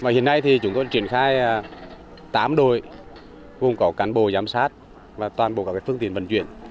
hiện nay chúng tôi đã triển khai tám đội gồm cả cán bộ giám sát và toàn bộ phương tiện vận chuyển